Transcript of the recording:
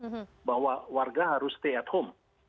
kami juga berharap warga harus stay at home